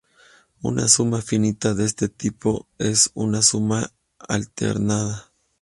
Una suma finita de este tipo es una suma alternada.